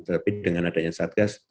tapi dengan adanya satgas